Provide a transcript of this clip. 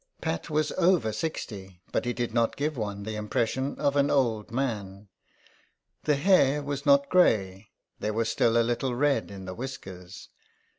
125 THE EXILE. Pat was over sixty, but he did not give one the impression of an old man. The hair was not grey, there was still a little red in the whiskers.